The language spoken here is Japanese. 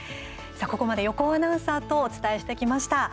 ここまで横尾アナウンサーとお伝えしてきました。